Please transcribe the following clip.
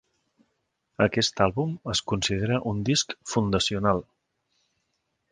Aquest àlbum es considera un disc fundacional.